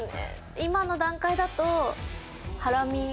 今の段階だとハラミ。